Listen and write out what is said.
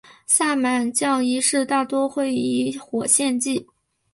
萨满教仪式大多会以火献祭。